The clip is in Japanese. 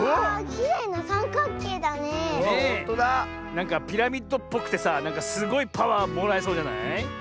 なんかピラミッドっぽくてさすごいパワーもらえそうじゃない？